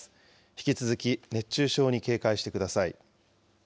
引き続き熱中症に警戒してください。